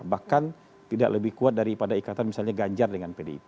bahkan tidak lebih kuat daripada ikatan misalnya ganjar dengan pdip